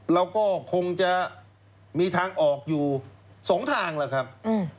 เราก็คงจะมีทางออกอยู่สองทางแหละครับ